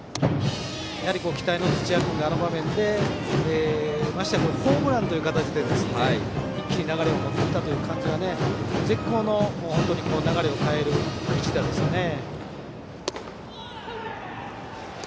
やはり期待の土屋君があの場面でましてやホームランという形で一気に流れを持ってきたということでは絶好の流れを変える一打ですね。